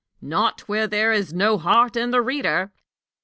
"Not where there is no heart in the reader."